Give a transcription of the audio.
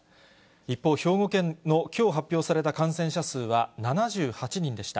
一方、兵庫県のきょう発表された感染者数は７８人でした。